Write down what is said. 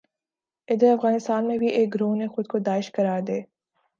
ادھر افغانستان میں بھی ایک گروہ نے خود کو داعش قرار دے